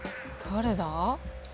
誰だ？